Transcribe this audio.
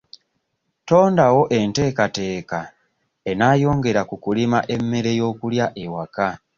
Tondawo enteekateeka enaayongera ku kulima emmere y'okulya ewaka.